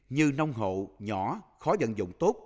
như nông hộ nhỏ khó dận dụng tốt